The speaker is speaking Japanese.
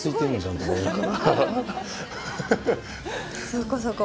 そこそこ！